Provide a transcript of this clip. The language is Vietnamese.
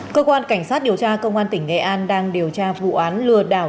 cơ quan cảnh sát điều tra công an tỉnh nghệ an đang điều tra vụ án lừa đảo